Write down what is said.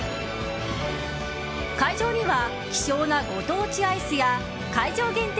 会場には、希少なご当地アイスや会場限定